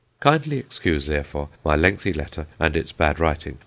Kindly excuse, therefore, my lengthy letter and its bad writing.